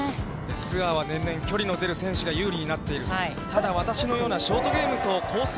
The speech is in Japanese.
ツアーは年々距離の出る選手が有利になっていると、ただ、私のような、ショートゲームとコース